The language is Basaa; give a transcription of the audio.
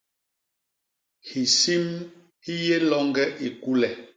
Hisim hi yé loñge i kule.